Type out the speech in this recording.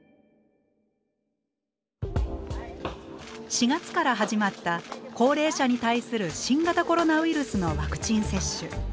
４月から始まった高齢者に対する新型コロナウイルスのワクチン接種。